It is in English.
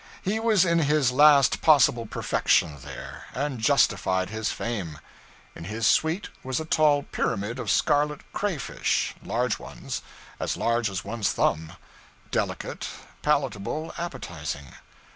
He was in his last possible perfection there, and justified his fame. In his suite was a tall pyramid of scarlet cray fish large ones; as large as one's thumb delicate, palatable, appetizing.